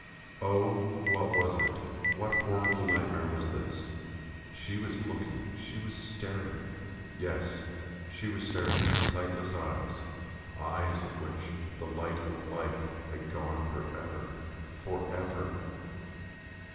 Oh! What was it? What horrible nightmare was this?... She was looking, she was staring ... yes, she was staring with sightless eyes eyes out of which the light of life had gone for ever! for ever!...